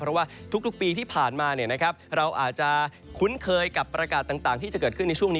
เพราะว่าทุกปีที่ผ่านมาเราอาจจะคุ้นเคยกับประกาศต่างที่จะเกิดขึ้นในช่วงนี้